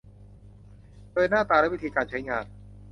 โดยหน้าตาและวิธีการใช้งาน